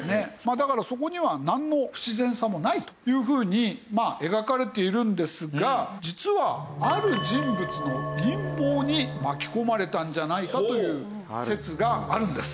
だからそこにはなんの不自然さもないというふうに描かれているんですが実はある人物の陰謀に巻き込まれたんじゃないかという説があるんです。